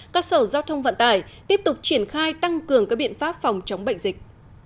các sở giao thông vận tải tiếp tục triển khai tăng cường các biện pháp phòng chống bệnh dịch